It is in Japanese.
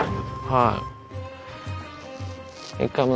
はい。